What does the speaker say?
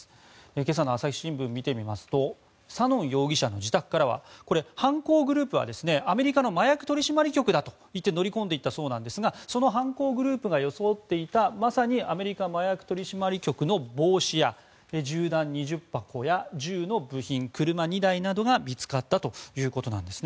今朝の朝日新聞を見てみますとサノン容疑者の自宅からは犯行グループはアメリカの麻薬取締局だと言って乗り込んでいったそうですがその犯行グループが装っていた、まさにアメリカ麻薬取締局の帽子や銃弾２０箱や銃の部品車２台などが見つかったということです。